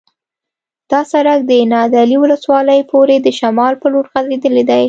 دا سرک د نادعلي ولسوالۍ پورې د شمال په لور غځېدلی دی